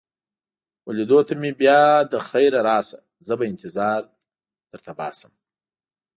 وه لیدو ته مې بیا له خیره راشه، زه به انتظار در وباسم.